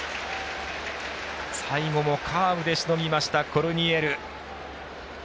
最後もカーブでしのぎましたコルニエル。